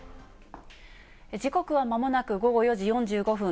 時刻はまもなく午後４時４５分。